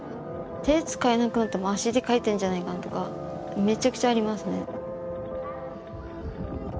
手使えなくなっても足で描いてるんじゃないかなとかめちゃくちゃありますね。